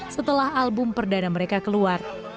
setelah album perdana mereka keluar